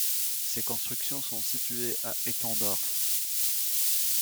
Ces constructions sont situées à Ettendorf.